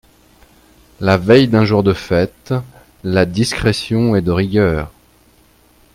La veille d’un jour de fête, la discrétion est de rigueur.